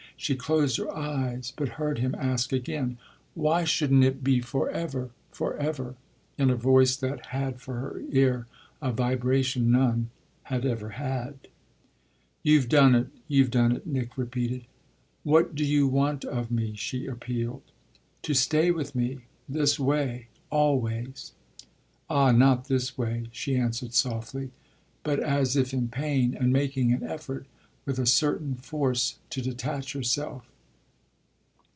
She closed her eyes but heard him ask again, "Why shouldn't it be for ever, for ever?" in a voice that had for her ear a vibration none had ever had. "You've done it, you've done it," Nick repeated. "What do you want of me?" she appealed. "To stay with me this way always." "Ah not this way," she answered softly, but as if in pain and making an effort, with a certain force, to detach herself.